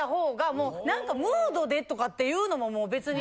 もう何かムードでとかっていうのももう別に。